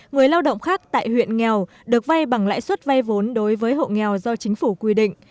người lao động khác tại huyện nghèo được vay bằng lãi suất vay vốn đối với hộ nghèo do chính phủ quy định